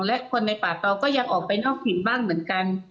และคนในป่าเตาก็ยังออกไปนอกถิ่นบ้างเหมือนกัน